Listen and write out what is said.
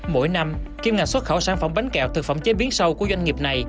mỗi năm kim ngạch xuất khẩu sản phẩm bánh kẹo thực phẩm chế biến sâu của doanh nghiệp này